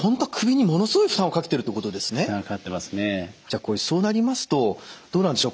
じゃあこれそうなりますとどうなんでしょう